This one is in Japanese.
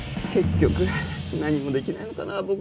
結局何もできないのかなあ